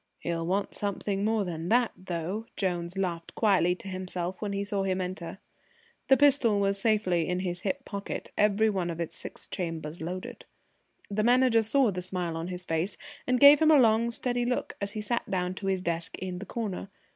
"He'll want something more than that, though!" Jones laughed quietly to himself when he saw him enter. The pistol was safely in his hip pocket, every one of its six chambers loaded. The Manager saw the smile on his face, and gave him a long steady look as he sat down to his desk in the corner.